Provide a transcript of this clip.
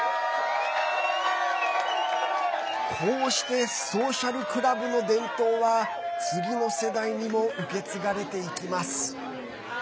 こうしてソーシャルクラブの伝統は次の世代にも受け継がれていきます。